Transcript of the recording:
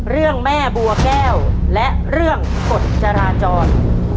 เรื่องแม่บัวแก้วและเรื่องกฎจราจร